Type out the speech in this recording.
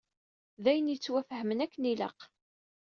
D ayen yettwafhamen akken ilaq.